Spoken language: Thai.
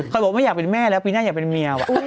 เขาบอกไม่อยากเป็นแม่แล้วปีหน้าอยากเป็นเมียว่ะ